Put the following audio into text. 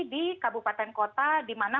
di kabupaten kota di mana